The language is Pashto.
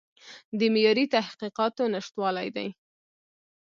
د معیاري تحقیقاتو نشتوالی دی.